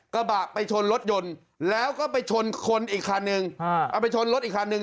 กระบะไปชนรถยนต์แล้วก็ไปชนคนอีกคันนึงเอาไปชนรถอีกคันนึง